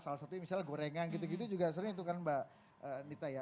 salah satunya misalnya gorengan gitu gitu juga sering itu kan mbak nita ya